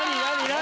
何？